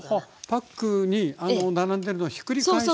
パックに並んでるのをひっくり返しながら。